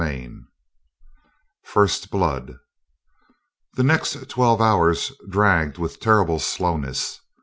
CHAPTER V First Blood The next twelve hours dragged with terrible slowness.